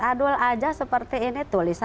adul aja seperti ini tulisannya dapat dibaca